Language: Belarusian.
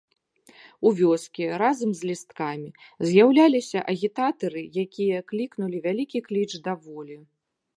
У вёскі разам з лісткамі з'яўляліся агітатары, якія клікнулі вялікі кліч да волі.